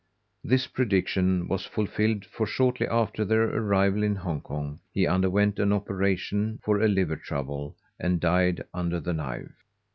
This prediction was fulfilled, for shortly after their arrival in Hong Kong he underwent an operation for a liver trouble, and died under the knife.